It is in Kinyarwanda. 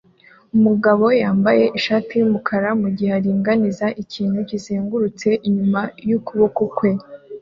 Umugabo yambaye ishati yumukara mugihe aringaniza ikintu kizengurutse inyuma yukuboko kwe